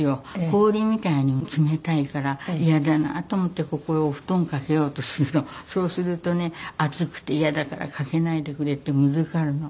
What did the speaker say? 氷みたいに冷たいから嫌だなと思ってここへお布団かけようとするとそうするとね「暑くて嫌だからかけないでくれ」ってむずかるの。